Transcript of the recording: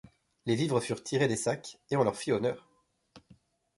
Les vivres furent tirés des sacs, et on leur fit honneur.